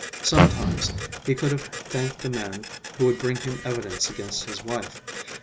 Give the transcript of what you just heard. Sometimes he could have thanked the man who would bring him evidence against his wife.